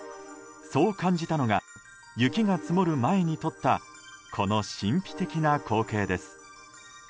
そう感じたのが雪が積もる前に撮ったこの神秘的な光景です。